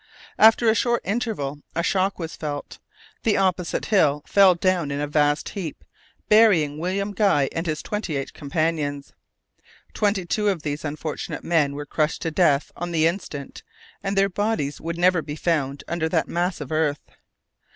After a short interval a shock was felt. The opposite hill fell down in a vast heap, burying William Guy and his twenty eight companions. Twenty two of these unfortunate men were crushed to death on the instant, and their bodies would never be found under that mass of earth.